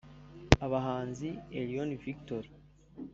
Abahanzi Elion Victory